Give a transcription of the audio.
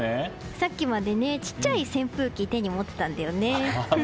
さっきまで、ちっちゃい扇風機手に持っていたんだよね。